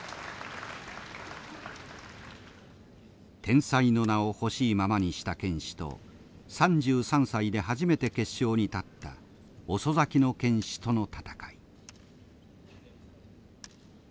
天才の名をほしいままにした剣士と３３歳で初めて決勝に立った遅咲きの剣士との戦い。